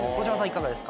いかがですか？